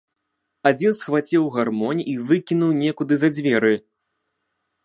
Адзін схваціў гармонь і выкінуў некуды за дзверы.